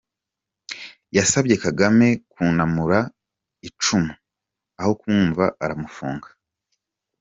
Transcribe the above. Yasabye Kagame kunamura icumu aho kumwumva aramufunga.